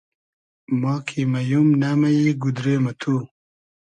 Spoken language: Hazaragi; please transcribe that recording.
ما کی مئیوم, نئمئیی گودرې مہ تو